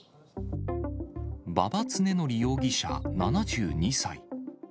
馬場恒典容疑者７２歳。